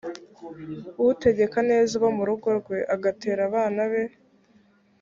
utegeka neza abo mu rugo rwe agatera abana be